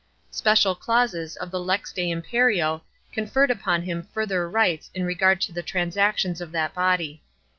Special clauses of the lex de imperio conferred upon him further rights in regard to the transactions of that body.